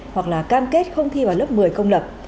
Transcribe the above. hoặc là cam kết không thi vào lớp một mươi công lập